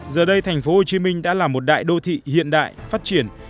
giờ đây thành phố hồ chí minh đã là một đại đô thị hiện đại phát triển